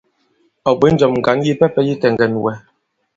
Ɔ̀ bwě njɔ̀m ŋgǎn yipɛpɛ yi tɛŋgɛn wɛ.